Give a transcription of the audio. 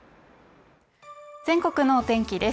全国の天気です